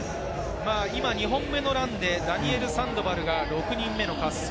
今、２本目のランでダニエル・サンドバルが６人目の滑走。